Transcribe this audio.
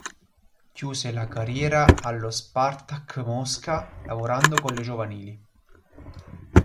Chiuse la carriera allo Spartak Mosca lavorando con le giovanili.